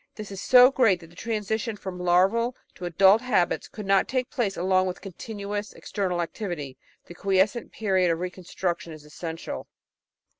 This is so great that the transition from larval to adult habits could not take place along with continuous external activity — the quiescent period of reconstruction is essential.